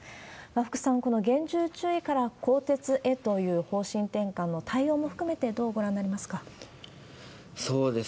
福さん、この厳重注意から更迭へという方針転換の対応も含めて、どうご覧になりますか？